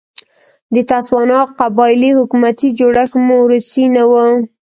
د تسوانا قبایلي حکومتي جوړښت موروثي نه و.